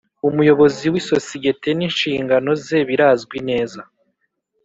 Umuyobozi w’isosiyete n’inshingano ze birazwi neza